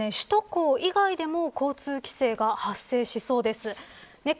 さらに首都高以外でも交通規制が発生しそうです。